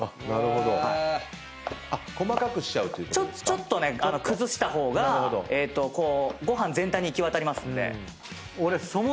ちょっとね崩した方がご飯全体に行き渡りますんで。